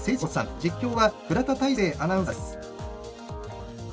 実況は倉田大誠アナウンサーです。